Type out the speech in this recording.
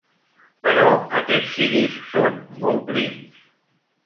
Però aquests ciris són molt prims.